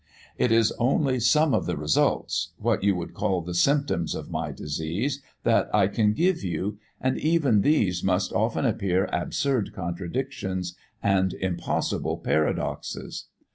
It is only some of the results what you would call the symptoms of my disease that I can give you, and even these must often appear absurd contradictions and impossible paradoxes.